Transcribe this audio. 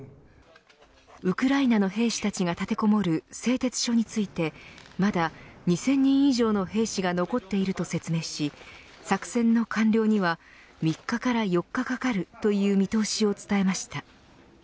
ウクライナの兵士たちが立てこもる製鉄所について、まだ２０００人以上の兵士が残っていると説明し作戦の完了には３日から４日かかるという見通しを伝えました。